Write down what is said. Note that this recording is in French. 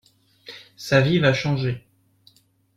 Sa vie va changer.